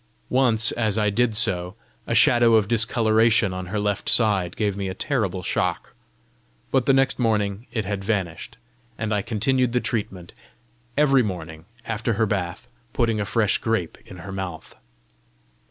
Once as I did so, a shadow of discoloration on her left side gave me a terrible shock, but the next morning it had vanished, and I continued the treatment every morning, after her bath, putting a fresh grape in her mouth.